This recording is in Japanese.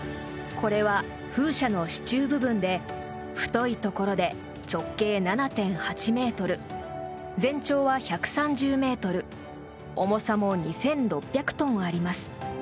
これは風車の支柱部分で太いところで直径７．８ｍ全長は１３０ｍ重さも２６００トンあります。